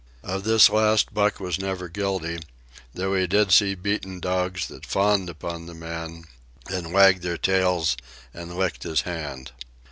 Of this last Buck was never guilty, though he did see beaten dogs that fawned upon the man, and wagged their tails, and licked his hand.